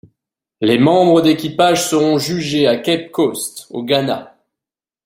Les membres d'équipage seront jugés à Cape Coast, au Ghana.